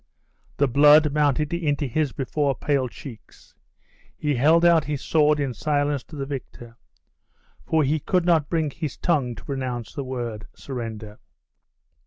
The blood mounted into his before pale cheeks; he held out his sword in silence to the victor; for he could not bring his tongue to pronounce the word "surrender."